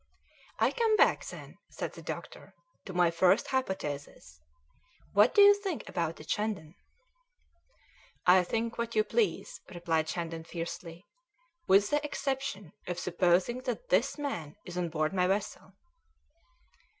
"I come back, then," said the doctor, "to my first hypothesis. What do you think about it, Shandon?" "I think what you please," replied Shandon fiercely, "with the exception of supposing that this man is on board my vessel."